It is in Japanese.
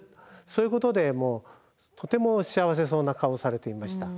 そういうことでもうとても幸せそうな顔をされていました。